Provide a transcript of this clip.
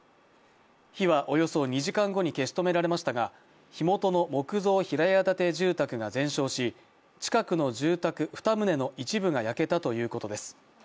火はおよそ２時間後に消し止められましたが、火元の木造平屋建て住宅が全焼し近くの住宅２棟の一部が焼けたということです。